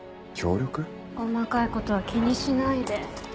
細かいことは気にしないで。